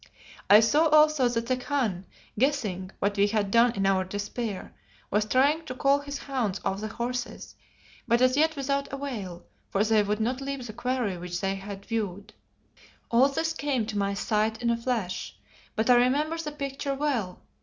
I saw also that the Khan, guessing what we had done in our despair, was trying to call his hounds off the horses, but as yet without avail, for they would not leave the quarry which they had viewed. All this came to my sight in a flash, but I remember the picture well.